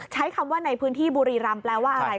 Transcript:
ใช้คำว่าในพื้นที่บุรีรำแปลว่าอะไร